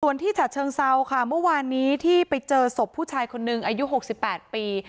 ส่วนที่ฉัดเชิงเซาค่ะเมื่อวานนี้ที่ไปเจอศพผู้ชายคนนึงอายุ๖๘ปี